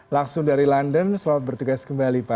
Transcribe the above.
langsung dari london selamat bertugas kembali pak